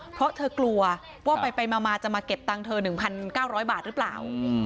เพราะเธอกลัวว่าไปไปมามาจะมาเก็บตังค์เธอหนึ่งพันเก้าร้อยบาทหรือเปล่า